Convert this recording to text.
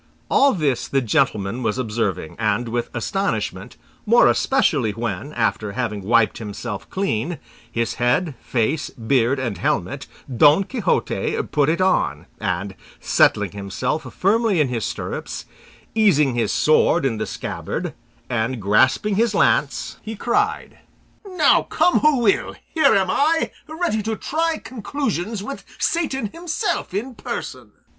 All this the gentleman was observing, and with astonishment, more especially when, after having wiped himself clean, his head, face, beard, and helmet, Don Quixote put it on, and settling himself firmly in his stirrups, easing his sword in the scabbard, and grasping his lance, he cried, "Now, come who will, here am I, ready to try conclusions with Satan himself in person!"